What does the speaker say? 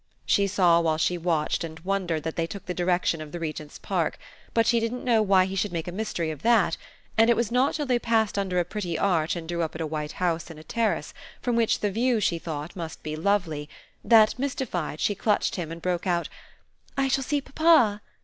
She saw while she watched and wondered that they took the direction of the Regent's Park; but she didn't know why he should make a mystery of that, and it was not till they passed under a pretty arch and drew up at a white house in a terrace from which the view, she thought, must be lovely that, mystified, she clutched him and broke out: "I shall see papa?"